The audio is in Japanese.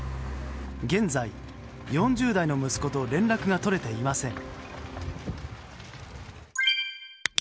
現在、４０代の息子と連絡が取れていません。